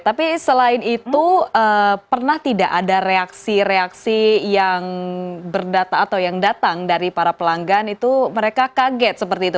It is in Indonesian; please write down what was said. tapi selain itu pernah tidak ada reaksi reaksi yang berdata atau yang datang dari para pelanggan itu mereka kaget seperti itu